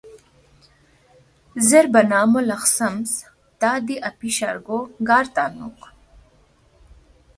زیربا نہ مو لہ خسمس تا دی اپی شرگو گار تنگنُوک